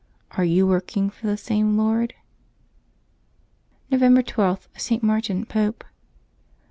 Are you working for the same Lord? November 12.— ST. MARTIN, Pope.